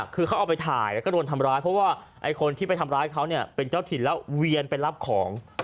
คือเขาเอาไปถ่ายแล้วก็โดนทำร้ายเพราะว่าไอ้คนที่ไปทำร้ายเขาเนี่ยเป็นเจ้าถิ่นแล้วเวียนไปรับของ